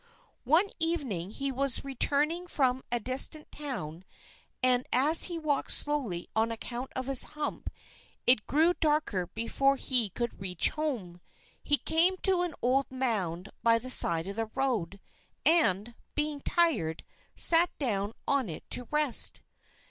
One evening, he was returning from a distant town, and as he walked slowly on account of his hump, it grew dark before he could reach home. He came to an old mound by the side of the road, and, being tired, sat down on it to rest.